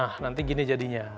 nah nanti gini jadinya